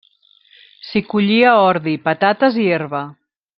S'hi collia ordi, patates i herba.